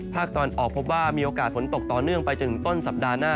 ตอนออกพบว่ามีโอกาสฝนตกต่อเนื่องไปจนถึงต้นสัปดาห์หน้า